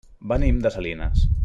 Venim de Salinas.